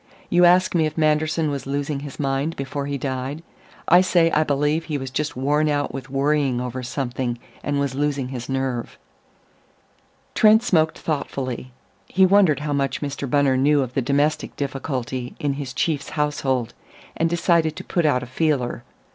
You ask me if Manderson was losing his mind before he died. I say I believe he was just worn out with worrying over something, and was losing his nerve." Trent smoked thoughtfully. He wondered how much Mr. Bunner knew of the domestic difficulty in his chief's household, and decided to put out a feeler.